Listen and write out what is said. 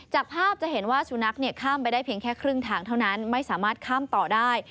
จากภาพจะเห็นว่าสุนัขข้ามไปได้เพียงแค่ครึ่งทางเท่านั้นไม่สามารถข้ามต่อได้